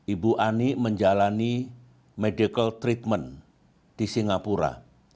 ibu ani menjalani medical treatment di singapura